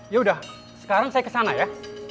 yaudah sekarang saya kesana ya